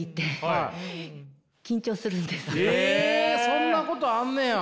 そんなことあんねや。